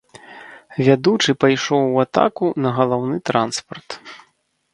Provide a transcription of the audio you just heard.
Вядучы пайшоў у атаку на галаўны транспарт.